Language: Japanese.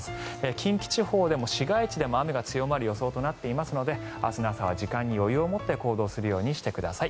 近畿地方でも市街地でも雨が強まる予想になっていますので明日の朝は時間に余裕を持って行動するようにしてください。